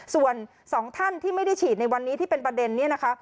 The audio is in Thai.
ส่วนสองท่านที่ไม่ได้ฉีดในวันนี้ที่เป็นประเด็นนี้นะคะ